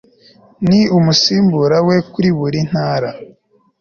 n umusimbura we kuri buri Ntara